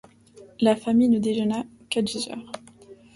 La famille ne déjeuna qu’à dix heures.